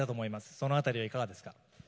その辺りはいかがですか？